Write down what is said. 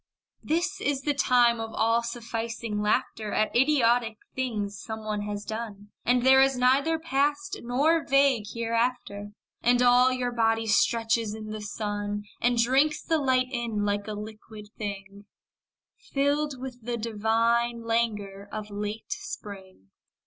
This is the time of all sufficing laughter At idiotic things some one has done, And there is neither past nor vague hereafter. And all your body stretches in the sun And drinks the light in like a liquid thing; Filled with the divine languor of late spring.